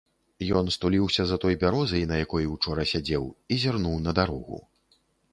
Ён стуліўся за той бярозай, на якой учора сядзеў, і зірнуў на дарогу.